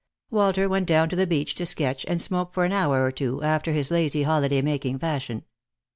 Walter went down to the beach to sketch and smoke for an hour or two, after his lazy holiday making fashion.